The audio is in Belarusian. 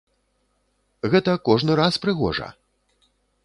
Гэта кожны раз прыгожа!